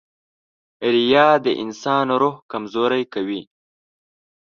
• ریا د انسان روح کمزوری کوي.